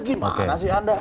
gimana sih anda